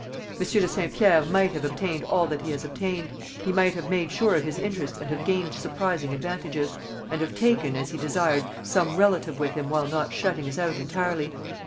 Monsieur de Saint Pierre might have obtained all that he has obtained; he might have made sure of his interests and have gained surprising advantages; and have taken [as he desired] some relative with him while not shutting us out entirely.